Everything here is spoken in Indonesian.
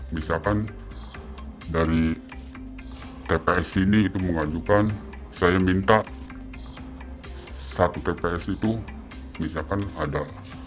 misalkan dari tps sini itu mengajukan saya minta satu tps itu misalkan ada